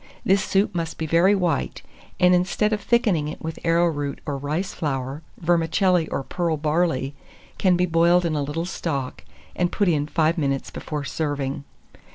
This soup must be very white, and instead of thickening it with arrowroot or rice flour, vermicelli or pearl barley can be boiled in a little stock, and put in 5 minutes before serving.